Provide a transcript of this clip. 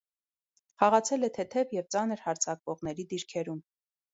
Խաղացել է թեթև և ծանր հարձակվողների դիրքերում։